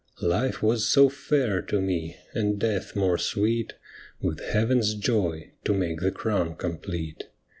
Life was so fair to mc, and death more sweet With Heaven's joy, to make the crown complete.